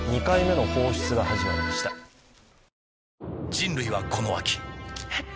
人類はこの秋えっ？